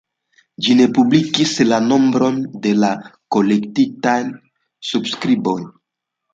Ĝi ne publikigis la nombron de la kolektitaj subskriboj.